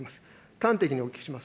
端的にお聞きします。